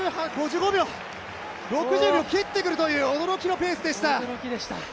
６０秒切ってくるという驚きのペースでした。